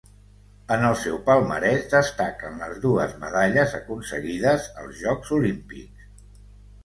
En el seu palmarès destaquen les dues medalles aconseguides als Jocs Olímpics.